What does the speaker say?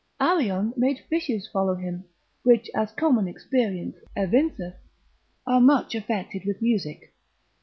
Arion made fishes follow him, which, as common experience evinceth, are much affected with music.